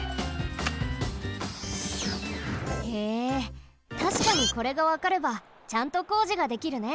へえたしかにこれがわかればちゃんとこうじができるね。